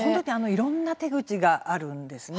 いろんな手口があるんです。